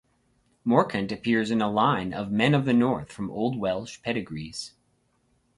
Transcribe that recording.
Morcant appears in a line of "Men of the North" from Old Welsh pedigrees.